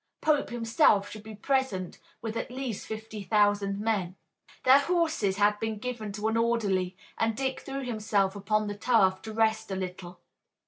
Pope himself should be present with at least fifty thousand men. Their horses had been given to an orderly and Dick threw himself upon the turf to rest a little.